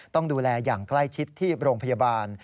ต้องดูแลอย่างใกล้ชิดที่โรงพยาบาล